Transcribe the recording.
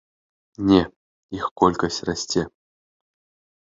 Не, іх колькасць расце.